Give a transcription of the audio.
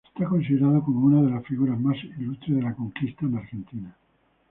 Es considerado como una de las figuras más ilustres de la conquista en Argentina.